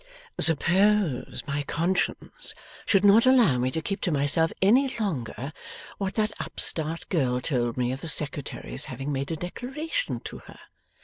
'Suppose my conscience should not allow me to keep to myself any longer what that upstart girl told me of the Secretary's having made a declaration to her.